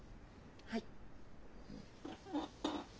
はい。